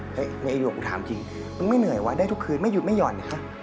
เฮ้ยนายอยู่กับกูถามจริงมึงไม่เหนื่อยวะได้ทุกคืนไม่หยุดไม่หยอดนะคะ